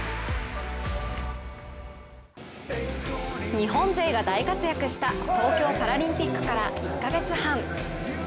日本勢が大活躍した東京パラリンピックから１カ月半。